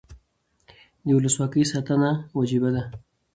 د ولسواکۍ ساتنه وجیبه ده